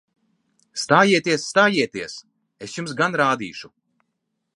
Stājieties! Stājieties! Es jums gan rādīšu!